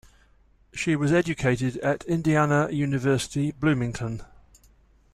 She was educated at Indiana University Bloomington.